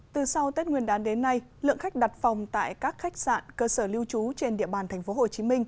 từ sau tết nguyên đán đến nay lượng khách đặt phòng tại các khách sạn cơ sở lưu trú trên địa bàn tp hcm